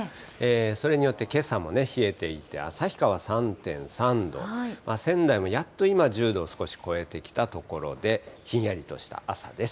それによってけさも冷えていて、旭川３．３度、仙台もやっと今１０度を少し超えてきたところで、ひんやりとした朝です。